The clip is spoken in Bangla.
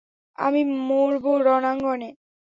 আমি মরবো রণাঙ্গনে।